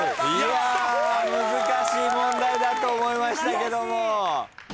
いや難しい問題だと思いましたけども。